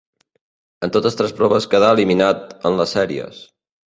En totes tres proves quedà eliminat en les sèries.